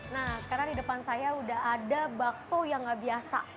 nah sekarang di depan saya udah ada bakso yang gak biasa